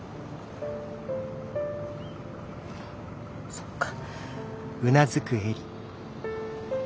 そっか。